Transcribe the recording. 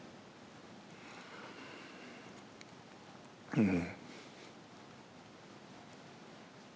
うん。